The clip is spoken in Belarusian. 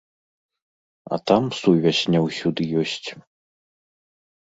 А там сувязь не ўсюды ёсць.